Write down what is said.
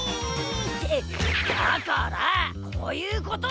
ってだからこういうことじゃ。